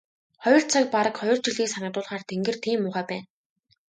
Хоёр цаг бараг хоёр жилийг санагдуулахаар тэнгэр тийм муухай байна.